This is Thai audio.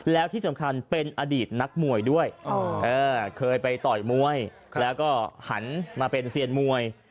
แล้วที่สำคัญเป็นอดีตนักมวยด้วยเคยไปต่อยมวยแล้วก็หันมาเป็นเซียนมวย